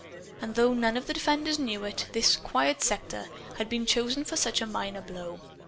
And though none of the defenders knew it, this "quiet" sector had been chosen for such a minor blow.